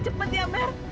cepet ya mer